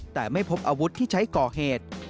แต่ไม่พบอาวุธที่ใช้ก่อเหตุ